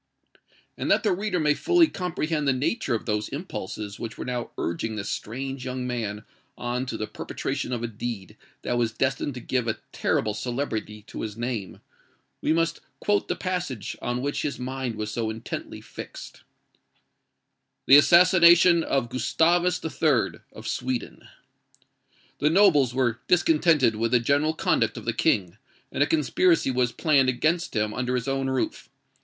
And that the reader may fully comprehend the nature of those impulses which were now urging this strange young man on to the perpetration of a deed that was destined to give a terrible celebrity to his name, we must quote the passage on which his mind was so intently fixed:— "THE ASSASSINATION OF GUSTAVUS III., OF SWEDEN. "The nobles were discontented with the general conduct of the King; and a conspiracy was planned against him under his own roof.